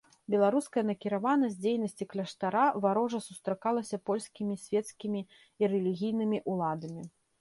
Беларуская накіраванасць дзейнасці кляштара варожа сустракалася польскімі свецкімі і рэлігійнымі ўладамі.